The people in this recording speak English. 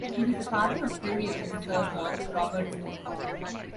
He was the father of Premier Sir John Robertson.